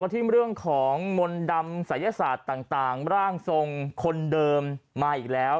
ที่เรื่องของมนต์ดำศัยศาสตร์ต่างร่างทรงคนเดิมมาอีกแล้ว